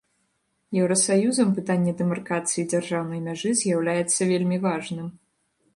Еўрасаюзам пытанне дэмаркацыі дзяржаўнай мяжы з'яўляецца вельмі важным.